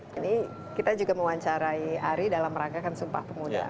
jadi kita juga mewawancarai ari dalam rangka kan sumpah pemuda